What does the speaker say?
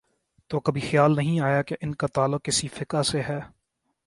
تو کبھی خیال نہیں آیا کہ ان کا تعلق کس فقہ سے ہے۔